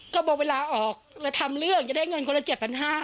ก็บอกเวลาออกแล้วทำเรื่องจะได้เงินคนละ๗๕๐๐